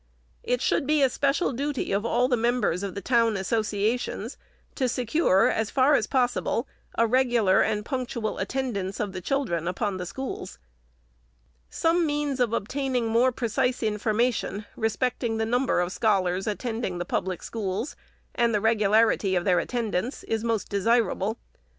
It should be a special duty of all the members of the town associations, to secure, as far as possible, a reg ular and punctual attendance of the children upon the schools. Some means of obtaining more precise information re specting the number of scholars attending the public schools, and the regularity of that attendance, is most desirable.